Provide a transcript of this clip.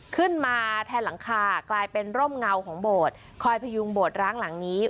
ขึ้นมาแทนหลังคากลายเป็นร่มเงาของโบสถ์คอยพยุงโบดร้างหลังนี้